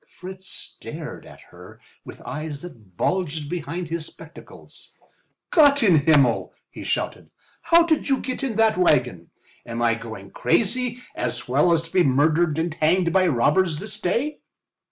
Fritz stared at her with eyes that bulged behind his spectacles. "Gott in Himmel!" he shouted. "How did you get in that wagon? Am I going crazy as well as to be murdered and hanged by robbers this day?"